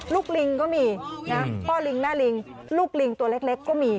ลูกลิงก็มีนะพ่อลิงหน้าลิงลูกลิงตัวเล็กเล็กก็มี